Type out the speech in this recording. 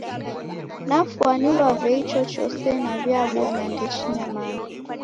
Nafwanilwa w'ei ichochose naw'iabonya ndechine mana.